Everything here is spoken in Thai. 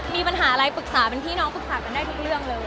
มีปัญหาอะไรปรึกษาเป็นพี่น้องปรึกษากันได้ทุกเรื่องเลย